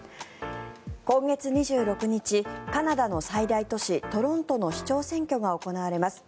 今月２６日カナダの最大都市トロントの市長選挙が行われます。